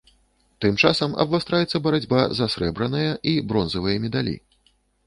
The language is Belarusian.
Тым часам абвастраецца барацьба за срэбраныя і бронзавыя медалі.